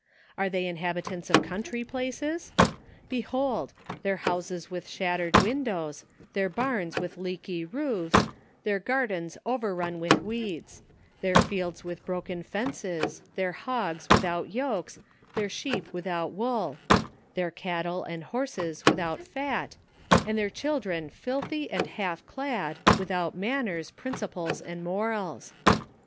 Are they inhabitants of country places ? Behold ! their houses with shattered windows — their barns with leaky roofs — their cardens overrun with weeds — their fields with broken fences, their hogs without yokes, their sheep without wool their cattle and horses without fat — and their children 8 ON THE EFFECTS OF filthy, and half clad, without manners, principles, and morals.